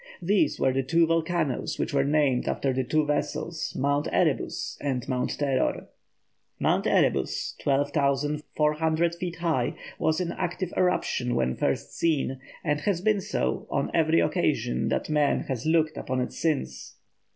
These were the two volcanoes which were named after the two vessels, Mount Erebus and Mount Terror. Mount Erebus, 12,400 feet high, was in active eruption when first seen, and has been so on every occasion that man has looked upon it since.